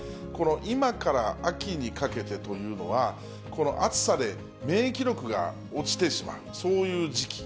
今から秋にかけてというのは、この暑さで免疫力が落ちてしまう、そういう時期。